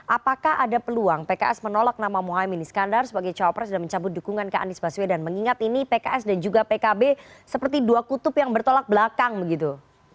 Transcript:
apakah ada peluang pks menolak nama mohaimin iskandar sebagai cawapres dan mencabut dukungan ke anies baswedan mengingat ini pks dan juga pkb seperti dua kutub yang bertolak belakang begitu